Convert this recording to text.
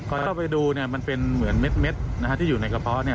ก็จะไปดูมันเป็นเหมือนเม็ดที่อยู่ในกระเพาะ